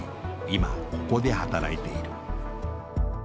今ここで働いている。